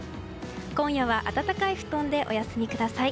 今夜は暖かい布団でお休みください。